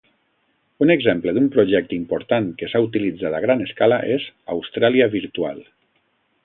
Un exemple d'un projecte important que s'ha utilitzat a gran escala és Austràlia virtual.